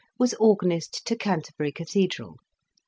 was Organ ist to Canterbury Cathedral.